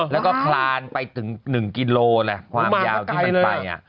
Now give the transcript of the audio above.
แล้วก็คลานไปถึง๑กิโลเลยความยาวที่มันไป